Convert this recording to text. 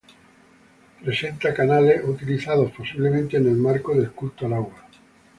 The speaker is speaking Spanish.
Presenta canales utilizados posiblemente en el marco del culto al agua.